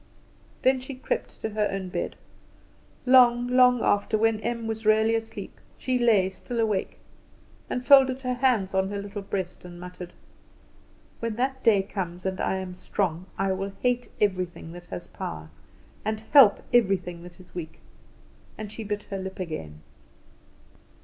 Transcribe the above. Then she crept back to her own bed. Long, long after, when Em was really asleep, she lay still awake, and folded her hands on her little breast, and muttered "When that day comes, and I am strong, I will hate everything that has power, and help everything that is weak." And she bit her lip again.